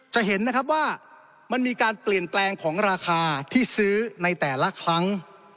จะเห็นนะครับว่ามันมีการเปลี่ยนแปลงของราคาที่ซื้อในแต่ละครั้ง